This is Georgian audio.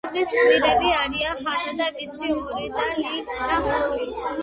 ფილმის გმირები არიან ჰანა და მისი ორი და, ლი და ჰოლი.